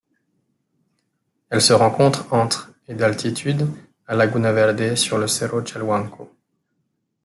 Elle se rencontre entre et d'altitude à Laguna Verde sur le Cerro Chalhuanco.